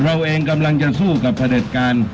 เราเองกำลังจะสู้กับพระเด็จการ